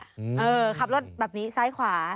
เออขับรถแบบนี้ซ้ายขวา